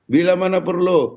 bila mana perlu